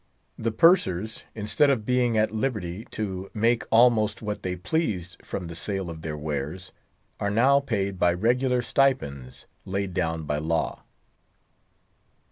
The Pursers, instead of being at liberty to make almost what they pleased from the sale of their wares, are now paid by regular stipends laid down by law.